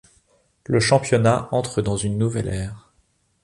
Le championnat entre dans une nouvelle ère.